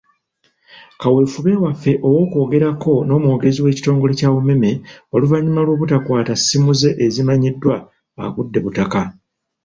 Kaweefube waffe okwogerako n'omwogezi w'ekitongole kya UMEME oluvannyuma lw'obutakwata ssimu ze ezimanyiddwa, agudde butaka.